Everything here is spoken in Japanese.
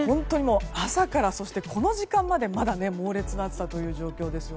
朝からそしてこの時間までまだ猛烈な暑さという状況です。